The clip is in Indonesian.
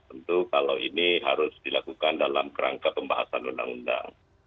tentu kalau ini harus dilakukan dalam kerangka pembahasan undang undang